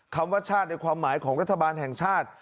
คำว่าชาติในความหมายของรัฐบาลแห่งชาติ